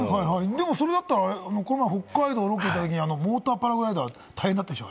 でもそれだったら、この間の北海道ロケでモーターパラグライダー、大変だったでしょ？